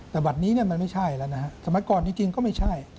แต่บัตรนี้มันไม่ใช่แล้วนะฮะสมัยก่อนจริงก็ไม่ใช่